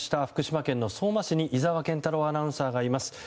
福島県の相馬市に井澤健太朗アナウンサーがいます。